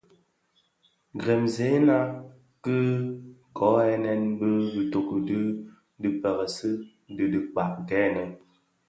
Jremzèna ki kōghènè bi bitoki bi lè dhi pèrèsi dhi dhikpag gèènë.